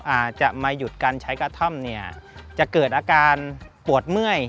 อาจจะมาหยุดการใช้กระท่อมเนี่ยจะเกิดอาการปวดเมื่อย